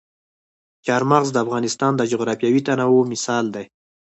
چار مغز د افغانستان د جغرافیوي تنوع مثال دی.